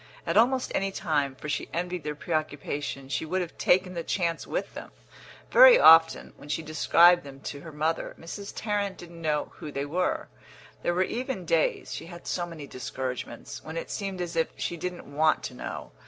At almost any time, for she envied their preoccupation, she would have taken the chance with them. Very often, when she described them to her mother, Mrs. Tarrant didn't know who they were; there were even days (she had so many discouragements) when it seemed as if she didn't want to know.